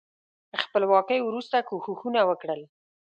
خپلواکۍ وروسته کوښښونه وکړل.